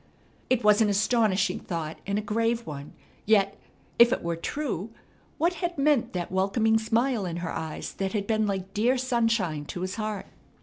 It was an astonishing thought and a grave one, yet, if it were true, what had meant that welcoming smile in her eyes that had been like dear sunshine to his heart?